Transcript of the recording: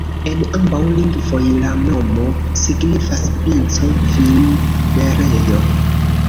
En ambaŭ lingvoj la nomo signifas: princo-vinberejo.